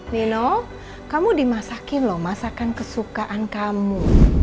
milo kamu dimasakin loh masakan kesukaan kamu